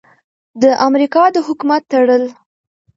د امریکا د حکومت تړل: